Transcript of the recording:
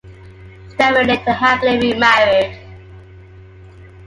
Steinway later happily remarried.